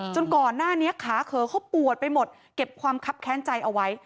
ก่อนหน้านี้ขาเขอเขาปวดไปหมดเก็บความคับแค้นใจเอาไว้